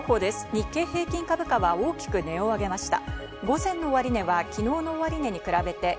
日経平均株価は大きく値を上げました。